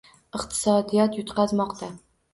Iqtisodiyot yutqazmoqda.